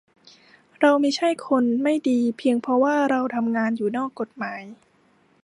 เราไม่ใช่คนไม่ดีเพียงเพราะว่าเราทำงานอยู่นอกกฎหมาย